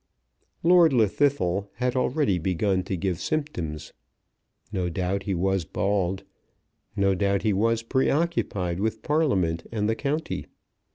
Lord Llwddythlw had already begun to give symptoms. No doubt he was bald; no doubt he was pre occupied with Parliament and the county.